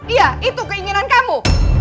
iya itu keinginan kamu